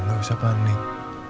gak usah panik